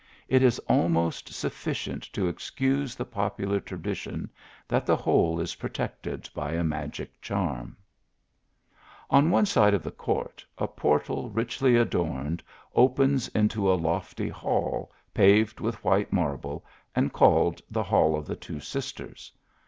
It is almost sufficient to excuse the popular tradition, that the whole is protected by a magic charm, On one side of the court, a portal ncnly adorned opens into a lofty hall paved with white marble, and called the Hall of the \vo Sisters.